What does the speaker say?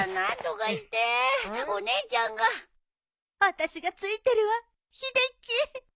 私がついてるわ秀樹。